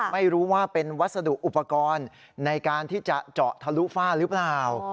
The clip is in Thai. ไม่รู้ว่าเป็นวัสดุอุปกรณ์ในการที่จะเจาะทะลุฝ้าหรือเปล่า